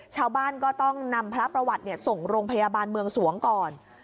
ชาวบ้านก็ต้องนำพระประวัติส่งโรงพยาบาลเมืองสวงก่อน